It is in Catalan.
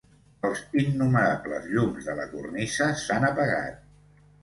Els innumerables llums de la cornisa s'han apagat.